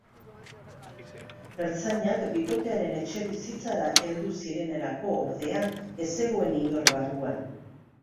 Ertzainak bikotearen etxebizitzara heldu zirenerako, ordea, ez zegoen inor barruan.